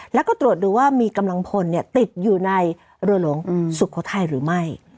แล้วก็ตรวจดูว่ามีกำลังพลติดอยู่ในเรือหลวงสุโขทัยหรือไม่